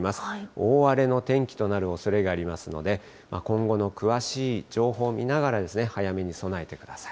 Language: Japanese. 大荒れの天気となるおそれがありますので、今後の詳しい情報を見ながら、早めに備えてください。